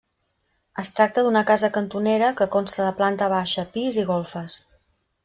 Es tracta d'una casa cantonera que consta de planta baixa, pis i golfes.